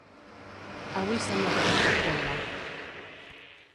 Avui sembla que tampoc plourà.